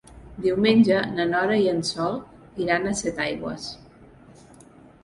Diumenge na Nora i en Sol iran a Setaigües.